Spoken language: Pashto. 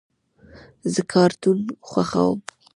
زه کارټون خوښوم.